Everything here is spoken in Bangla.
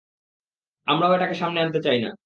আমরাও এটাকে সামনে আনতে চাই না।